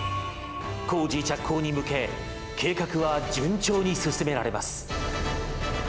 工事着工に向け、計画は順調に進められます。